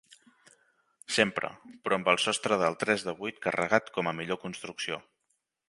Sempre, però, amb el sostre del tres de vuit carregat com a millor construcció.